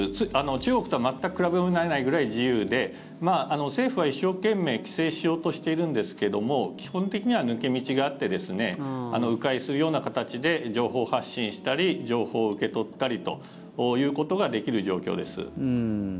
中国とは全く比べ物にならないぐらい自由で政府は一生懸命、規制しようとしているんですけども基本的には抜け道があって迂回するような形で情報発信したり情報を受け取ったりということができる状況です。